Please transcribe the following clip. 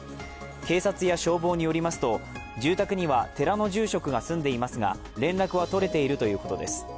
警察や消防によりますと住宅には寺の住職が住んでいますが連絡は取れているということです。